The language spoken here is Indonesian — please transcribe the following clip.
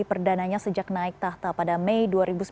perdananya sejak naik tahta pada mei dua ribu sembilan belas